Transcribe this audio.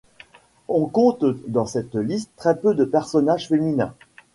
On compte dans cette liste très peu de personnages féminins.